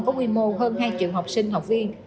có quy mô hơn hai triệu học sinh học viên